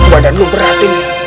badan lo berhati nih